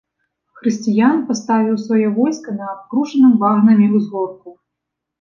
Хрысціян паставіў сваё войска на абкружаным багнамі ўзгорку.